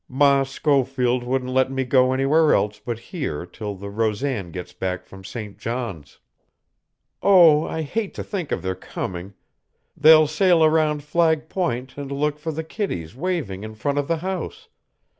Ma Schofield wouldn't let me go anywhere else but here till the Rosan gets back from St. John's. "Oh, I hate to think of their coming! They'll sail around Flag Point and look for the kiddies waving in front of the house.